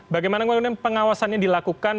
bagaimana kemudian pengawasannya dilakukan